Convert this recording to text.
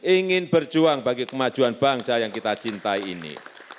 ingin berjuang bagi kemajuan bangsa yang kita cintai ini